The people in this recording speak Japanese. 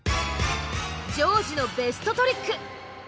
丈司のベストトリック。